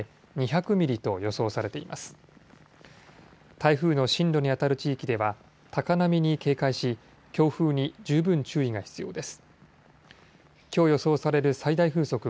台風の進路にあたる地域では高波に警戒し強風に十分注意が必要です。